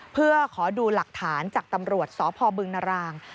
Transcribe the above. เพื่อขอดูหลักฐานจากตำรวจสพบึงนราง